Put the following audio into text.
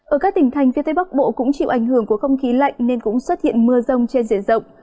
ở các tỉnh thành phía tây bắc bộ cũng chịu ảnh hưởng của không khí lạnh nên cũng xuất hiện mưa rông trên diện rộng